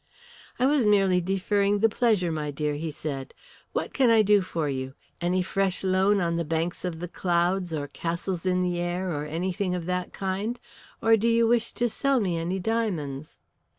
"I was merely deferring the pleasure, my dear," he said. "What can I do for you? Any fresh loan on the banks of the clouds or castles in the air or anything of that kind? Or do you wish to sell me any diamonds?"